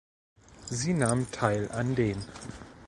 Sie nahm teil an den